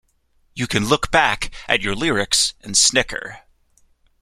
You can look back at your lyrics and snicker.